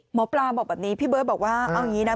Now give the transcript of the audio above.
หมอปลาบอกแบบนี้พี่เบิร์ตบอกว่าเอาอย่างนี้นะ